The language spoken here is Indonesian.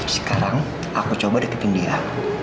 sekarang aku coba deketin dia